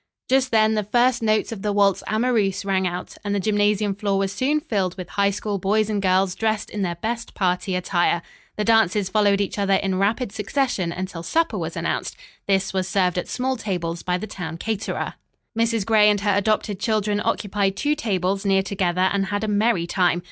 Just then the first notes of the waltz "Amoreuse" rang out, and the gymnasium floor was soon filled with High School boys and girls dressed in their best party attire. The dances followed each other in rapid succession until supper was announced. This was served at small tables by the town caterer. Mrs. Gray and her adopted children occupied two tables near together and had a merry time.